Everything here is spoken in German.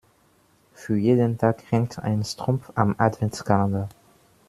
Für jeden Tag hängt ein Strumpf am Adventskalender.